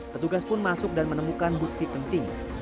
petugas pun masuk dan menemukan bukti penting